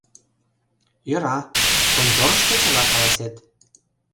Йӧра, конторышто чыла каласет.